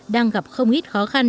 đang gặp không ít khó khăn